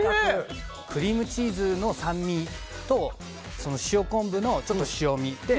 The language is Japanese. クリームチーズの酸味と塩昆布のちょっと塩みで。